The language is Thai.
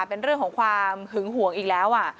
เป็นเรื่องของความหึงห่วงอีกแล้ว